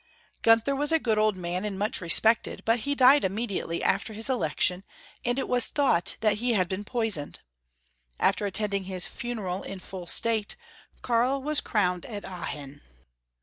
Gunther was a good old man and much respected, but he died immediately after his election, and it was thought that he had been poisoned. After attending his funeral in full state, Karl was crowned at Aachen.